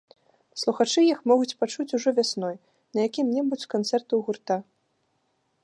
Слухачы іх змогуць пачуць ужо вясной, на якім-небудзь з канцэртаў гурта.